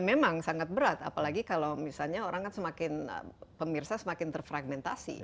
memang sangat berat apalagi kalau misalnya orang kan semakin pemirsa semakin terfragmentasi